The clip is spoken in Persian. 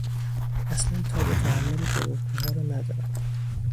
اصلا تاب تحمل دروغگوها را ندارم.